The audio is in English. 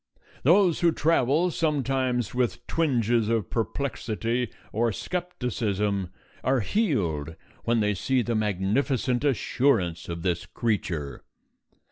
Those who travel sometimes with twinges of perplexity or skepticism are healed when they see the magnificent assurance of this creature.